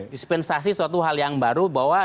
dispensasi suatu hal yang baru bahwa